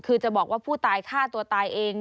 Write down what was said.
คือจะบอกว่าผู้ตายฆ่าตัวตายเอง